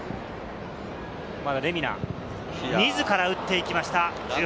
自ら打っていきました。